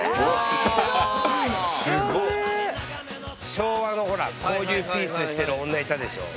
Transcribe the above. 昭和のほらこういうピースしてる女いたでしょう？